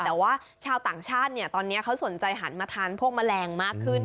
แต่ว่าชาวต่างชาติเนี่ยตอนนี้เขาสนใจหันมาทานพวกแมลงมากขึ้น